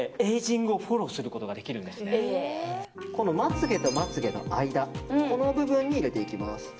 まつ毛とまつ毛の間この部分に入れていきます。